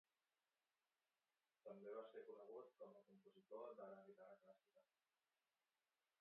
També va ser conegut com a compositor de la guitarra clàssica.